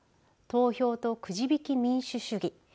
投票とくじ引き民主主義。